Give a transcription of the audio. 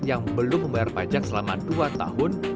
yang belum membayar pajak selama dua tahun